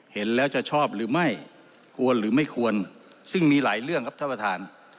เห็นแล้วจะชอบหรือไม่ควรหรือไม่ควรซึ่งมีหลายเรื่องครับท่านประธาน